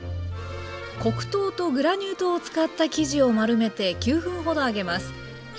黒糖とグラニュー糖を使った生地を丸めて９分ほど揚げます。